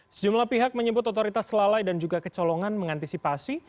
sejumlah pihak menyebut otoritas lalai dan juga kecolongan mengantisipasi